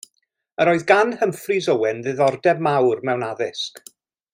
Yr oedd gan Humphreys-Owen ddiddordeb mawr mewn addysg.